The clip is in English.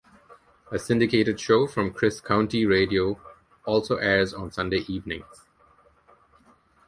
A syndicated show from Chris Country Radio also airs on Sunday evenings.